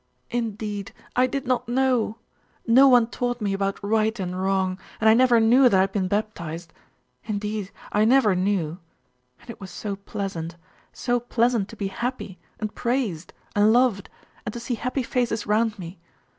Indeed, I did not know! No one taught me about right and wrong, and I never knew that I had been baptized Indeed, I never knew! And it was so pleasant so pleasant to be happy, and praised, and loved, and to see happy faces round me.